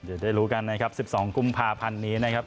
เดี๋ยวได้รู้กันนะครับ๑๒กุมภาพันธ์นี้นะครับ